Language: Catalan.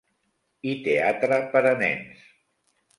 I teatre per a nens.